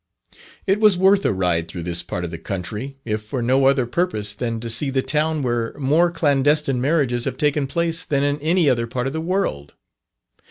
It was worth a ride through this part of the country, if for no other purpose than to see the town where more clandestine marriages have taken place than in any other part in the world.